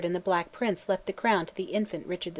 and the Black Prince left the crown to the infant Richard II.